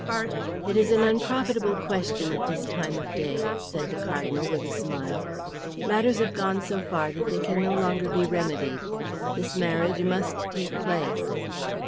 "It is an unprofitable question at this time of day," said the Cardinal, with a smile. "Matters have gone so far that they can no longer be remedied. This marriage must take place."